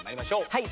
はい。